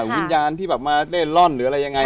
วิญญาณที่แบบมาเล่นร่อนหรืออะไรยังไง